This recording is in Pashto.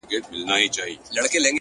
د هر غم په ښهرگو کي آهتزاز دی _